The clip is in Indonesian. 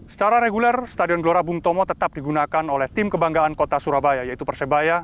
secara reguler stadion gelora bung tomo tetap digunakan oleh tim kebanggaan kota surabaya yaitu persebaya